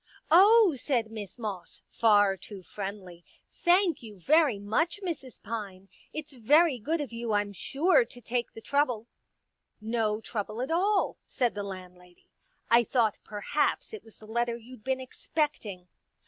'*" Oh," said Miss Moss, far too friendly, " thank you very much, Mrs. Pine. It's very good of you, I'm sure, to take the trouble." *' No trouble at all," said the landlady. " I thought perhaps it was the letter you'd been expecting."